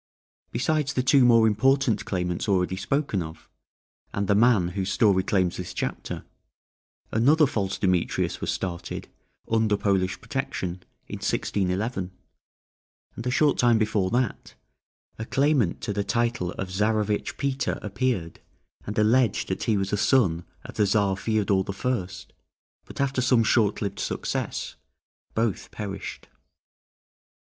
Besides the two more important claimants already spoken of, and the man whose story claims this chapter, another false Demetrius was started, under Polish protection, in 1611; and a short time before that, a claimant to the title of Czarevitch Peter appeared, and alleged that he was a son of the Czar Feodor the First; but after some short lived success both perished.